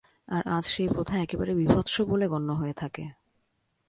আর আজ সেই প্রথা একেবারে বীভৎস বলে গণ্য হয়ে থাকে।